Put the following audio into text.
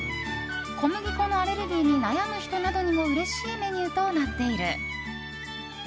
小麦粉のアレルギーに悩む人などにもうれしいメニューとなっている。